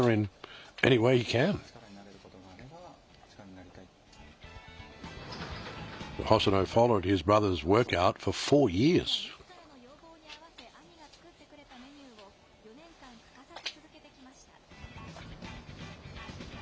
細野投手は、コンディションや、みずからの要望に合わせ、兄が作ってくれたメニューを、４年間、欠かさず続けてきました。